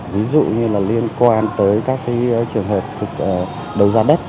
ví dụ như là liên quan tới các cái trường hợp đầu giá đất